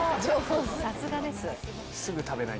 さすがです。